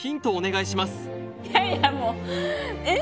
いやいやもうえっ？